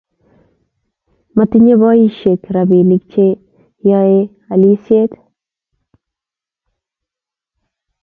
Matinyei boisiek robinik che yoen alisiet